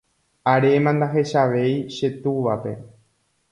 aréma ndahechavéi che túvape.